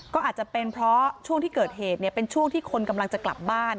ก็อาจจะเป็นเพราะช่วงที่เกิดเหตุเนี่ยเป็นช่วงที่คนกำลังจะกลับบ้าน